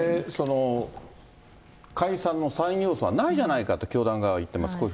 これ、解散の３要素はないじゃないかと教団側は言ってます。